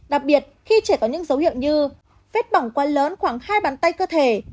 đặc biệt khi trẻ có những dấu hiệu như vết bỏng quá lớn khoảng hai bàn tay cơ thể